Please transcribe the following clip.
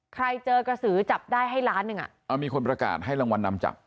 เจอกระสือจับได้ให้ล้านหนึ่งอ่ะอ่ามีคนประกาศให้รางวัลนำจับ